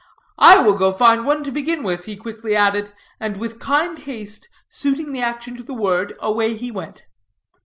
"I will go find one to begin with," he quickly added, and, with kind haste suiting the action to the word, away he went.